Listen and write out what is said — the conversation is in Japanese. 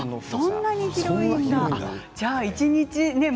そんなに広いんだ。